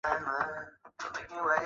劳工处交通费支援计划